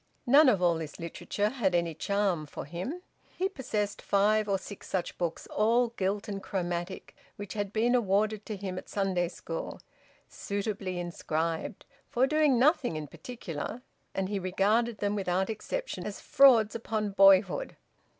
None of all this literature had any charm for him. He possessed five or six such books, all gilt and chromatic, which had been awarded to him at Sunday school, `suitably inscribed,' for doing nothing in particular; and he regarded them without exception as frauds upon boyhood.